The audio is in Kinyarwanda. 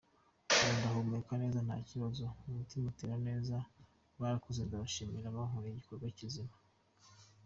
Ubu ndahumeka neza nta kibazo, umutima utera neza barakoze ndabashimira bankoreye igikorwa kizima.